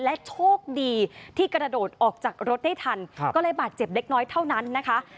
และโชคดีที่กระโดดออกจากรถได้ทันก็เลยบาดเจ็บเล็กน้อยเท่านั้นนะคะ